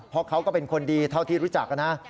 เพราะเขาก็เป็นคนดีเท่าที่รู้จักนะ